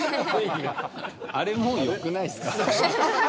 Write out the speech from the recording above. あれもうよくないですか？